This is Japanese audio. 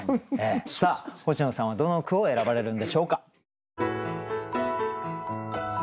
さあ星野さんはどの句を選ばれるんでしょうか。